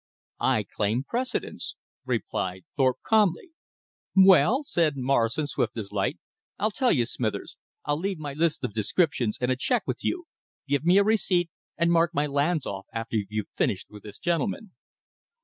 "I claim precedence," replied Thorpe calmly. "Well," said Morrison swift as light, "I'll tell you, Smithers. I'll leave my list of descriptions and a check with you. Give me a receipt, and mark my lands off after you've finished with this gentleman."